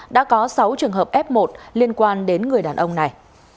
đã có sáu trường hợp f một liên quan đến người đàn ông này